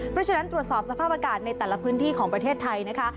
เพราะฉะนั้นตรวจสอบสภาพอากาศในแต่ละพื้นที่ของประเทศไทยนะคะ